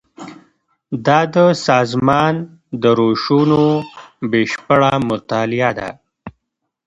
دا د سازمان د روشونو بشپړه مطالعه ده.